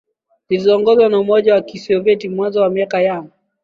zilizoongozwa na Umoja wa Kisovyeti Mwanzo wa miaka ya